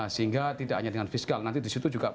sehingga tidak hanya dengan fiskal nanti disitu juga